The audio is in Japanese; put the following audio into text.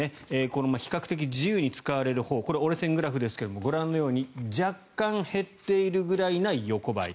これは比較的自由に使われるほう折れ線グラフですけれどご覧のように若干減っているぐらいの横ばい。